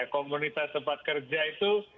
komunitas tempat kerja itu